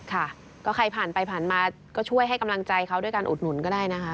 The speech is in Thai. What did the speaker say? ค่ะก็ใครผ่านไปผ่านมาก็ช่วยให้กำลังใจเขาด้วยการอุดหนุนก็ได้นะคะ